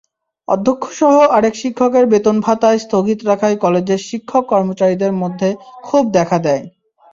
অধ্যক্ষসহ আরেক শিক্ষকের বেতন-ভাতা স্থগিত রাখায় কলেজের শিক্ষক-কর্মচারীদের মধ্যে ক্ষোভ দেখা দেয়।